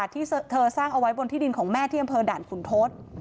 ที่เธอสร้างเอาไว้บนที่ดินของแม่ที่อำเภอด่านขุนทศ